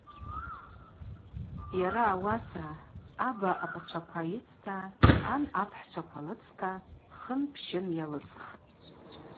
Йара ауаса – аба апачваква йыцта, ан апхӏчваква лыцта хын-пщын йалыцӏхтӏ.